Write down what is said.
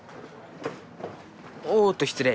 おっと失礼。